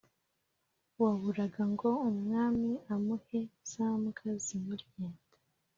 waburaga ngo umwami amuhe za mbwa zimurye.